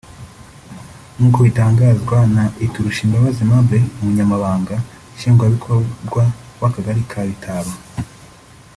nk’uko bitangazwa na Iturushimbabazi Aimable umunyamabanga Nshingwabikorwa w’Akagari ka Bitaba